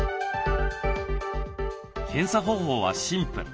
検査方法はシンプル。